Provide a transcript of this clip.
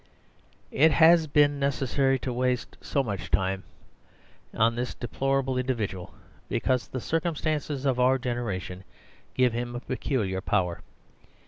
It has been necessary to waste so much time on this deplorable individual because the circumstances of our generation give him a peculiar power.